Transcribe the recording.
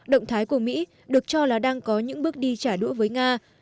động thái của mỹ được cho là đang có những bước đi trả đũa với nga